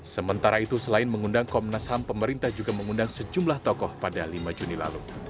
sementara itu selain mengundang komnas ham pemerintah juga mengundang sejumlah tokoh pada lima juni lalu